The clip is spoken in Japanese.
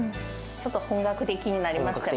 ちょっと本格的になりますよ